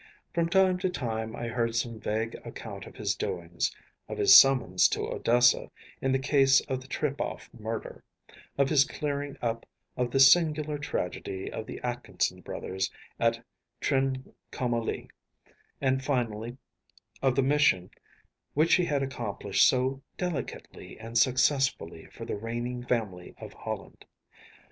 From time to time I heard some vague account of his doings: of his summons to Odessa in the case of the Trepoff murder, of his clearing up of the singular tragedy of the Atkinson brothers at Trincomalee, and finally of the mission which he had accomplished so delicately and successfully for the reigning family of Holland.